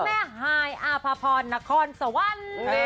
ฮายอาภาพรนครสวรรค์